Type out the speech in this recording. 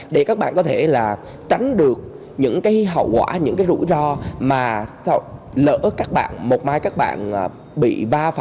để các bạn có thể tránh được những hậu quả những rủi ro mà lỡ một mai các bạn bị va phải